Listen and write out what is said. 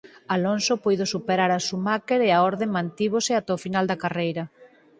Alonso puido superar a Schumacher e a orde mantívose ata o final da carreira.